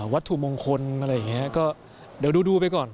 วัตถุมงคลอะไรอย่างนี้ก็เดี๋ยวดูไปก่อน